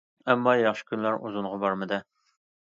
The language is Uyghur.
ئەمما ياخشى كۈنلەر ئۇزۇنغا بارمىدى.